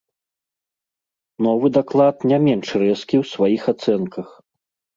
Новы даклад не менш рэзкі ў сваіх ацэнках.